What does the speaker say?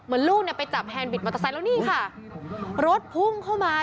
ลูกเนี่ยไปจับแฮนบิดมอเตอร์ไซค์แล้วนี่ค่ะรถพุ่งเข้ามา